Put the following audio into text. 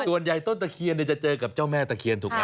ส่วนใหญ่ต้นตะเคียนเดี๋ยวจะเจอกับเจ้าแม่ตะเคียนถูกไหม